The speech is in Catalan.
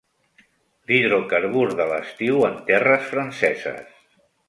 L'hidrocarbur de l'estiu en terres franceses.